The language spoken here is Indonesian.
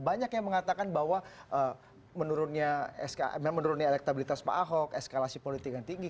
banyak yang mengatakan bahwa menurunnya elektabilitas pak ahok eskalasi politik yang tinggi